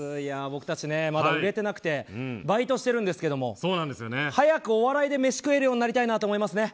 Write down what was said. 僕たち、まだ売れてなくてバイトしてるんですけども早くお笑いで飯食えるようになりたいなと思いますね。